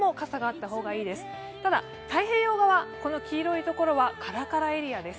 ただ、太平洋側、この黄色いところはカラカラエリアです。